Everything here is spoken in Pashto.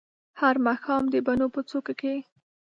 هر ماښام د بڼو په څوکو کې